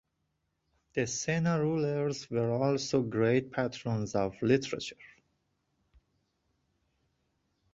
The Sena rulers were also great patrons of literature.